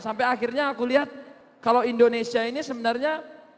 sampai akhirnya aku lihat kalau indonesia ini sebenarnya